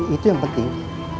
itu yang penting